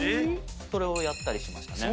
それをやったりしましたね。